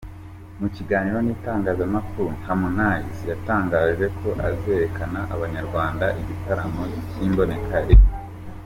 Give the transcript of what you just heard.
Mu kiganiro n’ Itangazamakuru Harmonize yatangaje ko azereka abanyarwanda igitaramo cy’ imbonekarimwe .